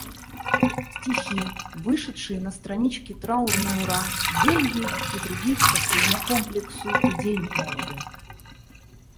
Стихи, вышедшие на страничке «Траурное ура», «Бельгия» и других по своему комплексу идей немолоды.